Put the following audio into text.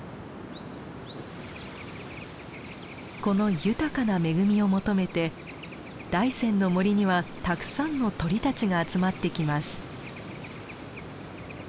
この豊かな恵みを求めて大山の森にはたくさんの鳥たちが集まってきます。